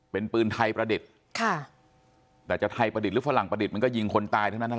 เป็นปืนไทยประดิษฐ์แต่จะไทยประดิษฐ์หรือฝรั่งประดิษฐ์